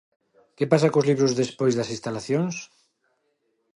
Que pasa cos libros despois das instalacións?